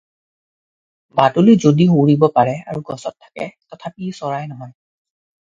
বাদুলী যদিও উৰিব পাৰে আৰু গছত থাকে, তথাপি ই চৰাই নহয়।